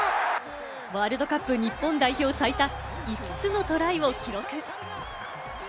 ワールドカップ日本代表最多、５つのトライを記録。